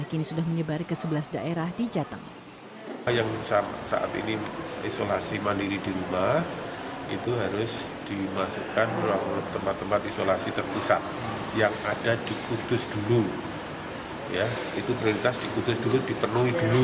kalau sudah penuh nanti baru membuka ke tempat lain